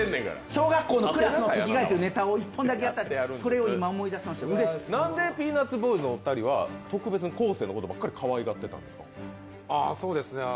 小学校のクラスの席替えというネタを１本だけやった、それを今思い出しました、うれしいなんでピーナッツボーイズのお二人は特別に昴生のことばかりかわいがってたんですか？